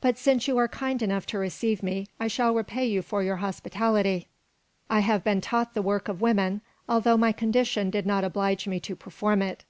But since you are kind enough to receive me, I shall repay you for your hospitality. I have been taught the work of women, although my condition did not oblige me to perform it.